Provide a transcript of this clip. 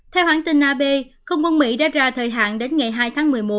theo hãng tin ab không quân mỹ đã ra thời hạn đến ngày hai tháng một mươi một